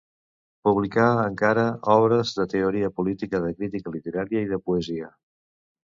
Publicà, encara, obres de teoria política de crítica literària i de poesia.